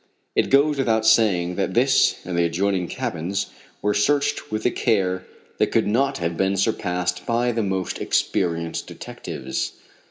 It goes without saying that this and the adjoining cabins were searched with a care that could not have been surpassed by the most experienced detectives.